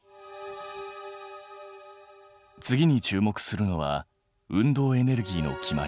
次に注目するのは運動エネルギーの決まり。